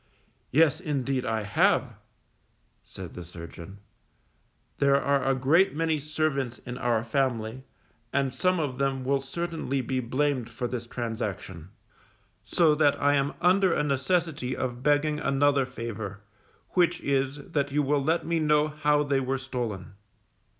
Yes, indeed, I have_, said the surgeon, _there are a great many servants in our family, and some of them will certainly be blamed for this transaction; so that I am under a necessity of begging another favour, which is, that you will let me know how they were stolen?